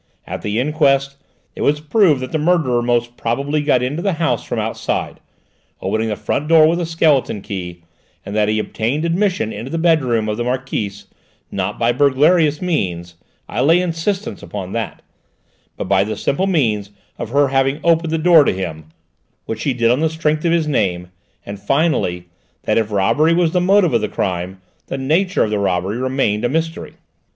At the inquest it was proved that the murderer most probably got into the house from outside, opening the front door with a skeleton key, and that he obtained admission into the bedroom of the Marquise, not by burglarious means I lay insistence upon that but by the simple means of her having opened the door to him, which she did on the strength of his name, and, finally, that if robbery was the motive of the crime, the nature of the robbery remained a mystery.